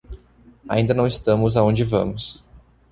Ainda não estamos aonde vamos.